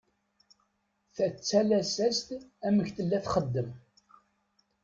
Tattales-as-d amek tella txeddem.